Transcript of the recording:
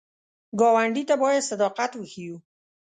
ګاونډي ته باید صداقت وښیو